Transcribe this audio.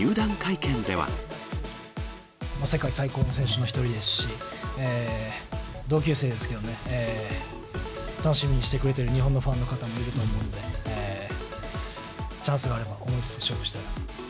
世界最高の選手の一人ですし、同級生ですけどね、楽しみにしてくれてる日本のファンの方もいると思うんで、チャンスがあれば思い切って勝負したいなと。